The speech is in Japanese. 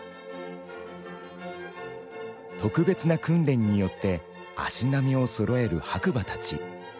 特別な訓練によって足並みをそろえる白馬たち。